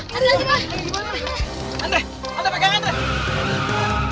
pak pak pak pak